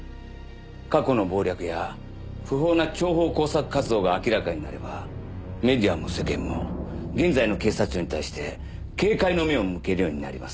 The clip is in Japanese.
過去の謀略や不法な諜報工作活動が明らかになればメディアも世間も現在の警察庁に対して警戒の目を向けるようになります。